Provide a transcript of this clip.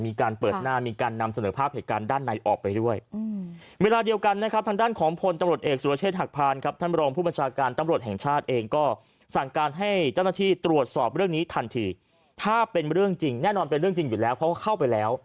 มีการเปิดหน้ามีการนำเสนอภาพเหตุการณ์ด้านในออกไป